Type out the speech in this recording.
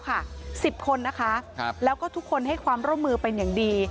๑๐คนนะคะแล้วก็ทุกคนให้ความร่วมมือเป็นอย่างดี